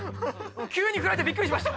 急に振られてびっくりしました。